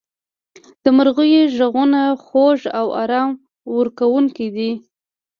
• د مرغیو ږغونه خوږ او آرام ورکوونکي دي.